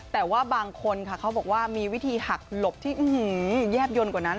แต่ว่าบางคนค่ะเขาบอกว่ามีวิธีหักหลบที่แยบยนต์กว่านั้น